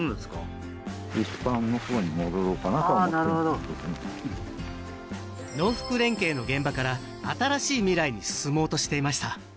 あなるほど農福連携の現場から新しい未来に進もうとしていました